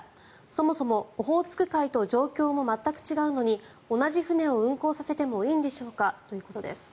そもそもオホーツク海と状況も全く違うのに同じ船を運航させてもいいんでしょうか？ということです。